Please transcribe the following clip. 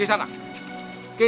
kisanak sudah melanggar janji